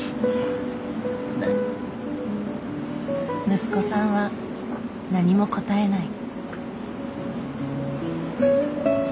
息子さんは何も答えない。